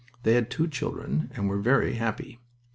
They had two children and were very happy.